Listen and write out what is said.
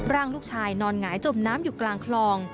ร่างลูกชายนอนหงายจมน้ำอยู่กลางคลอง